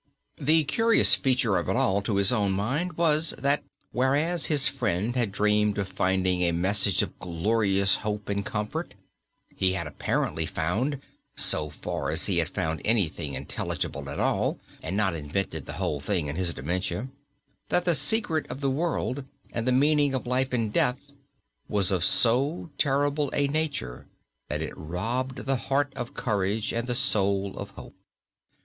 The curious feature of it all to his own mind was, that whereas his friend had dreamed of finding a message of glorious hope and comfort, he had apparently found (so far as he had found anything intelligible at all, and not invented the whole thing in his dementia) that the secret of the world, and the meaning of life and death, was of so terrible a nature that it robbed the heart of courage and the soul of hope.